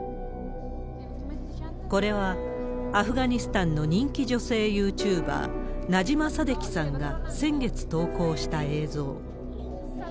これは、アフガニスタンの人気女性ユーチューバー、ナジマ・サデキさんが先月投稿した映像。